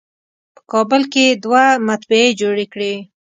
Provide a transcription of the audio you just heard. په کابل کې یې دوه مطبعې جوړې کړې.